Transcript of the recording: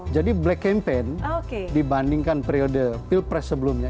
jadi black campaign dibandingkan periode pilpres sebelumnya